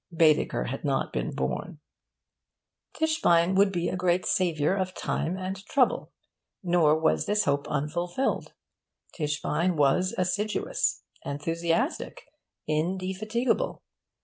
Baedeker had not been born. Tischbein would be a great saviour of time and trouble. Nor was this hope unfulfilled. Tischbein was assiduous, enthusiastic, indefatigable.